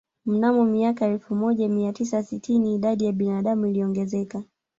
Mnamo miaka ya elfu moja mia tisa sitini idadi ya binadamu iliongezeka